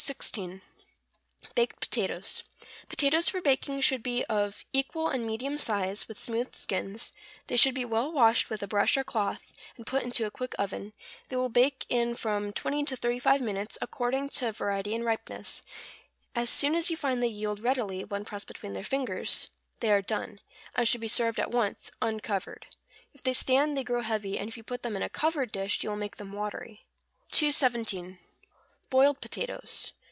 =Baked Potatoes.= Potatoes for baking should be of equal and medium size, with smooth skins; they should be well washed with a brush or cloth, and put into a quick oven; they will bake in from twenty to thirty five minutes, according to variety and ripeness; as soon as you find they yield readily when pressed between the fingers, they are done; and should be served at once, uncovered. If they stand they grow heavy, and if you put them in a covered dish you will make them watery. 217. =Boiled Potatoes.